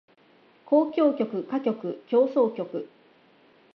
交響曲歌曲協奏曲